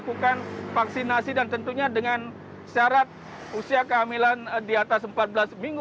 karena pasti banyak saja yang sudah melemahkan